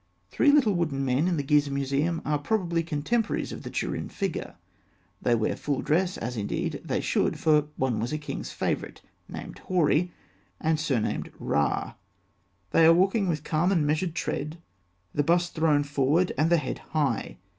Three little wooden men in the Gizeh Museum are probably contemporaries of the Turin figure. They wear full dress, as, indeed, they should, for one was a king's favourite named Hori, and surnamed Ra. They are walking with calm and measured tread, the bust thrown forward, and the head high.